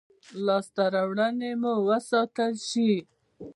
لاسته راوړنې مو وساتل شي.